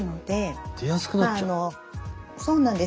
そうなんです。